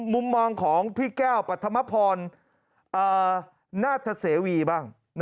มุมมองของพี่แก้วปัธมพรนาธเสวีบ้าง